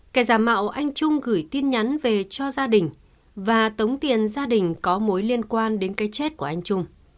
kẻ giả mạo anh trung gửi tin nhắn về cho gia đình và tống tiền gia đình có mối liên quan đến cái chết của anh trung